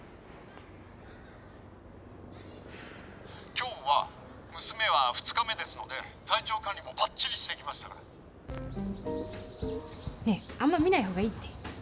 「今日は娘は２日目ですので体調管理もばっちりしてきましたから！」。ねえあんま見ない方がいいって。